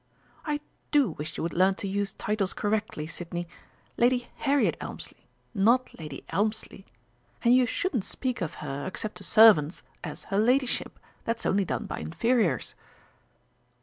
"I do wish you would learn to use titles correctly, Sidney! Lady Harriet Elmslie not Lady Elmslie! And you shouldn't speak of her, except to servants, as 'her ladyship'; that's only done by inferiors."